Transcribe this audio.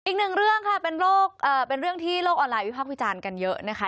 อีกหนึ่งเรื่องค่ะเป็นเรื่องที่โลกออนไลน์วิพากษ์วิจารณ์กันเยอะนะคะ